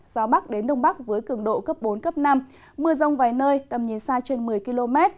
gió bắc đến đông bắc với cường độ cấp bốn cấp năm mưa rông vài nơi tầm nhìn xa trên một mươi km